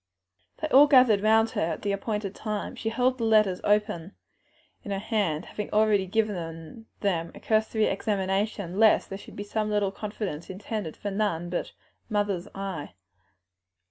They all gathered round her at the appointed time. She held the letters open in her hand, having already given them a cursory examination lest there should be some little confidence intended for none but "mother's" eye.